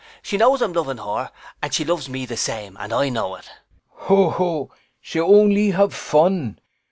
She knows I'm loving her, and she loves me the same, and I know it. CHRIS Ho ho! She only have fun.